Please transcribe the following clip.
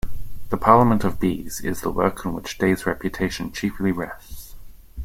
"The Parliament of Bees" is the work on which Day's reputation chiefly rests.